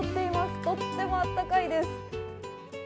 とってもあたたかいです。